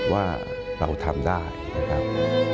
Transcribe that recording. ว่าเราทำได้นะครับ